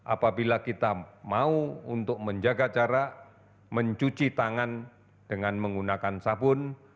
apabila kita mau untuk menjaga jarak mencuci tangan dengan menggunakan sabun